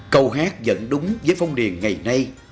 câu hát dẫn đúng với phong điền ngày nay